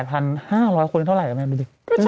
คนละ๘๕๐๐คนเท่าไหร่นะดูดิ